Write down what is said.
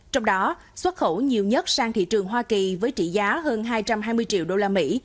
trong đó xuất khẩu nhiều nhất sang thị trường hoa kỳ với trị giá hơn hai trăm hai mươi triệu đô la mỹ